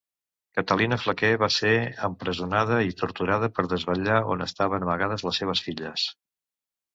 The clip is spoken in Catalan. Catalina Flaquer va ser empresonada i torturada per desvetllar on estaven amagades les seves filles.